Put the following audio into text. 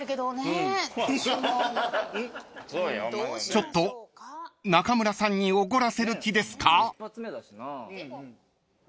［ちょっと中村さんにおごらせる気ですか？］